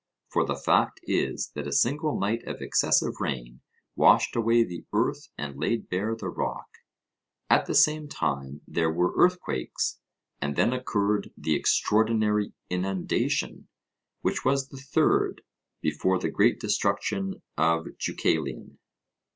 For the fact is that a single night of excessive rain washed away the earth and laid bare the rock; at the same time there were earthquakes, and then occurred the extraordinary inundation, which was the third before the great destruction of Deucalion.